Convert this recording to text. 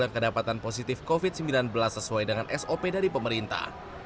yang kedapatan positif covid sembilan belas sesuai dengan sop dari pemerintah